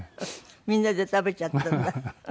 みんなで食べちゃったんだ？